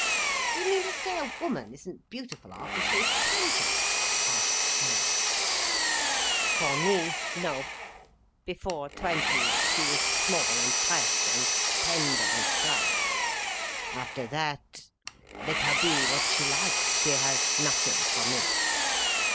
"Do you mean to say a woman isn't beautiful after she is twenty?" asked Gerald. "For me, no. Before twenty, she is small and fresh and tender and slight. After that—let her be what she likes, she has nothing for me.